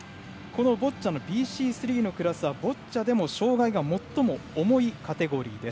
ＢＣ３のクラスはボッチャでも障がいが最も重いカテゴリー。